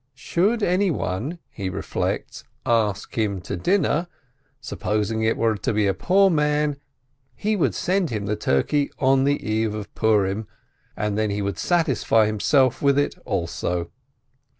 Should anyone, be reflects, ask him to dinner, supposing it were to be a poor man, be would send him the turkey on the ere of Ptirir:. ari ihfn he •arz i 5.1:1517 lin^elf —I:! it also.